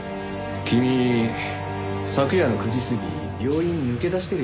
君昨夜の９時過ぎ病院抜け出してるよね？